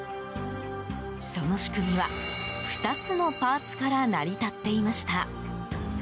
その仕組みは、２つのパーツから成り立っていました。